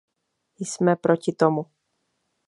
Jsme proti tomu.